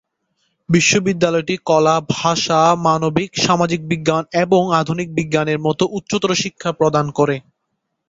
বিশ্ববিদ্যালয়টি কলা, ভাষা, মানবিক, সামাজিক বিজ্ঞান এবং আধুনিক বিজ্ঞান এর মত উচ্চতর শিক্ষা প্রদান করে।